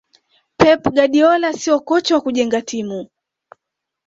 pep guardiola siyo kocha wa kujenga timu